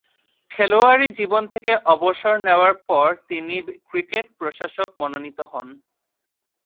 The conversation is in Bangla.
খেলোয়াড়ী জীবন থেকে অবসর নেয়ার পর তিনি ক্রিকেট প্রশাসক মনোনীত হন।